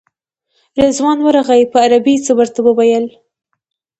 رضوان ورغی په عربي یې څه ورته وویل.